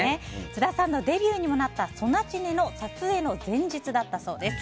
津田さんのデビューにもなった「ソナチネ」の撮影の前日だったそうです。